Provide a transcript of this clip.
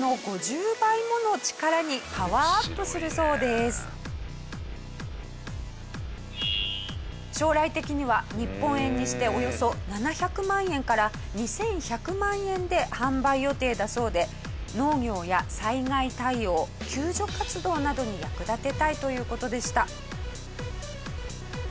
スーツを着ると将来的には日本円にしておよそ７００万円から２１００万円で販売予定だそうで農業や災害対応救助活動などに役立てたいという事でした。